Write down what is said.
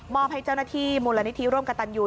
อบให้เจ้าหน้าที่มูลนิธิร่วมกับตันยู